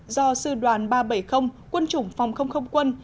do sư đoàn ba trăm bảy mươi quân chủng phòng không không quân